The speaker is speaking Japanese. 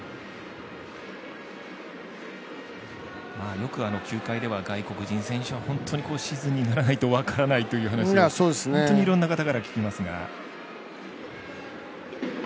よく、あの球界では外国人選手はシーズンにならないとという話を本当にいろんな方から聞きますが。